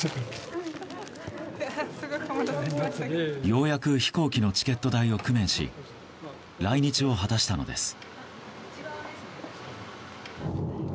ようやく飛行機のチケット代を工面し来日を果たしたのです。